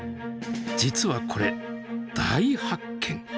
実はこれ大発見。